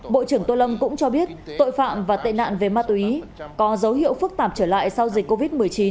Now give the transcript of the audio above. bộ trưởng tô lâm cũng cho biết tội phạm và tệ nạn về ma túy có dấu hiệu phức tạp trở lại sau dịch covid một mươi chín